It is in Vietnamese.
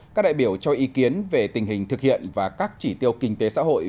các đại biểu cho ý kiến về tình hình thực hiện và các chỉ tiêu kinh tế xã hội